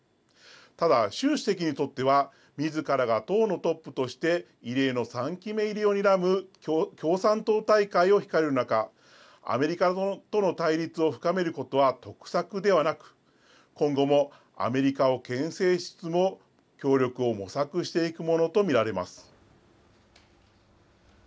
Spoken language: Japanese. ただ習主席にとっては、みずからが党のトップとして、異例の３期目入りをにらむ共産党大会を控える中、アメリカとの対立を深めることは得策ではなく、今後もアメリカをけん制しつつも協力を模索していくものと見られます。